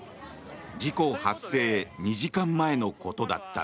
事故発生２時間前のことだった。